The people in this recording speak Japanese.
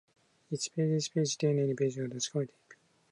一ページ、一ページ、丁寧にページを確かめていく